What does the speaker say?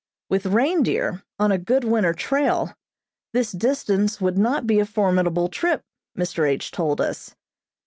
With reindeer, on a good winter trail, this distance would not be a formidable trip, Mr. H. told us.